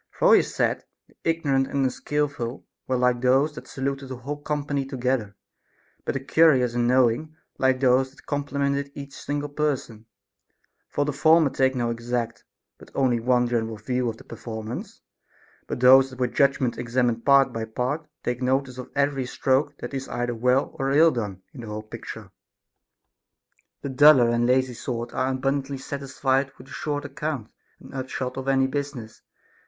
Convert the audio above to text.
For he said, the ignorant and unskilful were like those that saluted a whole company together, but the curious and knowing like those that complimented each single person ; for the former take no exact, but only one general view of the performance ; but those that with judgment examine part by part take notice of every stroke that is either well or ill done in the whole picture. The duller and lazy sort are abundantly satisfied with a short account and upshot of any business.